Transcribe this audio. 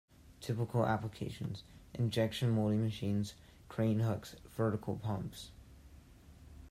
Typical applications: injection molding machines, crane hooks, vertical pumps.